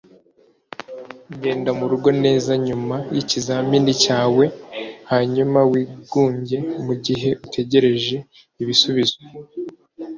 Genda mu rugo neza nyuma yikizamini cyawe hanyuma wigunge mu gihe utegereje ibisubizo.